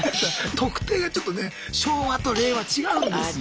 「特定」がちょっとね昭和と令和違うんですよ。